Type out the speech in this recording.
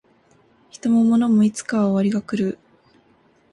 人も物もいつかは終わりが来る